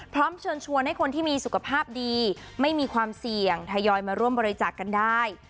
พร้อมเชิญชวนให้คนที่มีสุขภาพดีไม่มีความเสี่ยงทยอยมาร่วมบริจาคกันได้